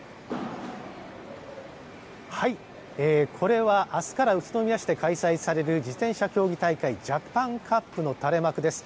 これはあすから宇都宮市で開催される自転車競技大会、ジャパンカップの垂れ幕です。